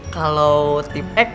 kalo ingin tipek boleh gak nih